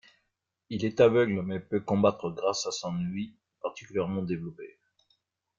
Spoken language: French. Il est aveugle mais peut combattre grâce à son ouïe particulièrement développée.